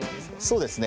そうですね